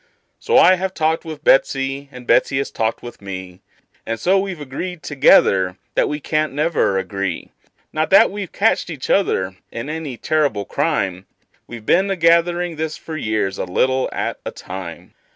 So I have talked with Betsey, and Betsey has talked with me, And so we've agreed together that we can't never agree; Not that we've catched each other in any terrible crime; We've been a gathering this for years, a little at a time.